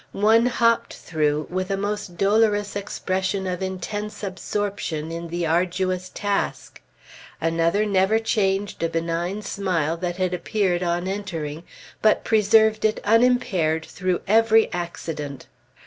One hopped through with a most dolorous expression of intense absorption in the arduous task. Another never changed a benign smile that had appeared on entering, but preserved it unimpaired through every accident.